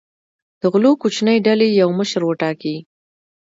د غلو کوچنۍ ډلې یو مشر وټاکي.